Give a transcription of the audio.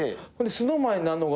ＳｎｏｗＭａｎになんのが。